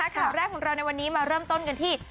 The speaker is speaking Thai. ข่าวแรกของเราในวันนี้มาเริ่มต้นกันที่